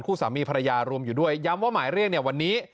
สามีภรรยารวมอยู่ด้วยย้ำว่าหมายเรียกเนี่ยวันนี้